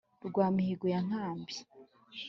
rwa mihigo ya nkambi,